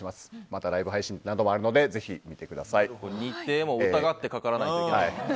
またライブ配信などもあるので日程も疑ってかからないといけない。